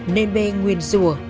nên bê nguyên rùa